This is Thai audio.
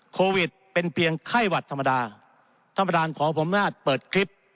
โควิดเป็นเพียงใคร่หวัดธรรมดาธรรมดานของผมและเปิดคลิป